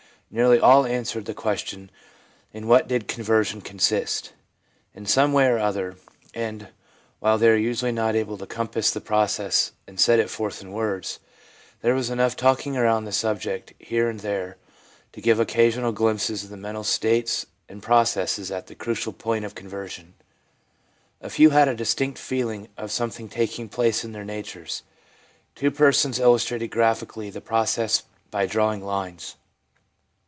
Nearly all answered the question, ' In what did conversion consist ?' in some way or other, and, while they were usually not able to compass the process and set it forth in words, there was enough talking around the subject, here and there, to give occasional glimpses of the mental states and processes at the crucial point in conversion. A few had a distinct feeling of something taking place in their natures. Two persons illustrated graphically the pro cess by drawing lines.